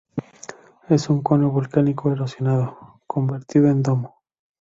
Es un cono volcánico erosionado; convertido en domo.